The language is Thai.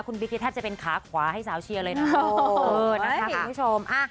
คุณบิ๊กท่านจะเป็นขาขวาให้สาวเชียวเลยนะ